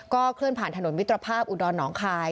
เคลื่อนผ่านถนนมิตรภาพอุดรหนองคาย